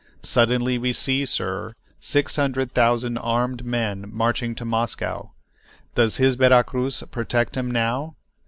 Suddenly we see, sir, six hundred thousand armed men marching to Moscow. Does his Vera Cruz protect him now?